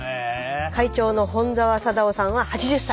会長の本沢貞夫さんは８０歳。